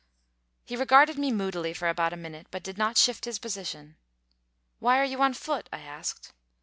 He regarded me moodily for about a minute, but did not shift his position. "Why are you on foot?" I asked.